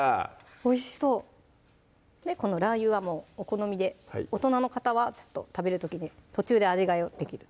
おいしそうこのラー油はもうお好みで大人の方はちょっと食べる時に途中で味変えをできる